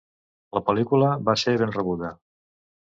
La pel·lícula va ser ben rebuda.